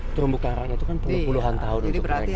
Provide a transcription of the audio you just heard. terumbu karang itu kan puluh puluhan tahun untuk penyelenggaraan